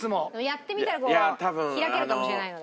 やってみたらこう開けるかもしれないので。